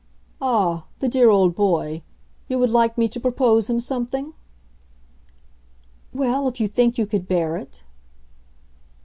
"Ah, the dear old boy! You would like me to propose him something ?" "Well, if you think you could bear it."